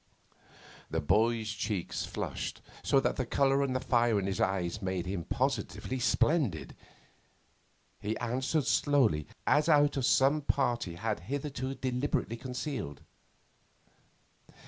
The boy's cheeks flushed, so that the colour and the fire in his eyes made him positively splendid. He answered slowly, as out of some part he had hitherto kept deliberately concealed.